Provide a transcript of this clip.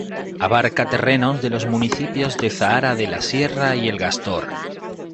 Abarca terrenos de los municipios de Zahara de la Sierra y El Gastor.